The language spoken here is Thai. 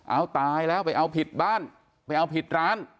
เอาตายแล้วไปเอาผิดบ้านไปเอาผิดร้าน